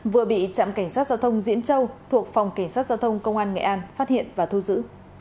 vừa bị trạm cảnh sát giao thông diễn châu thuộc phòng cảnh sát giao thông công an nghệ an phát hiện và thu giữ